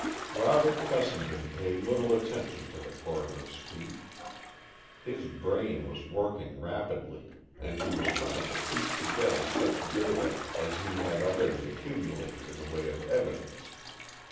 Robert Fessenden paid little attention to the coroner's speech. His brain was working rapidly, and he was trying to piece together such data as he had already accumulated in the way of evidence.